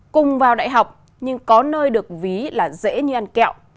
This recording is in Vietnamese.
cùng vào đại học nhưng có nơi được ví là dễ như ăn kẹo